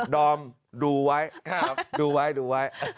ดอมดูไว้ดูไว้ดูไว้